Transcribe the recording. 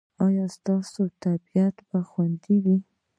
ایا ستاسو طبیعت به خوندي وي؟